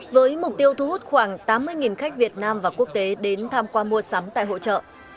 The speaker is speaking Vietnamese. với mục tiêu thu hút khoảng tám mươi khách việt nam và quốc tế đến tham quan mua sắm tại hội trợ